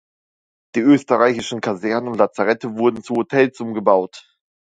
Die österreichischen Kasernen und Lazarette wurden zu Hotels umgebaut.